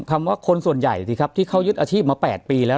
คำว่าคนส่วนใหญ่สิครับที่เขายึดอาชีพมา๘ปีแล้ว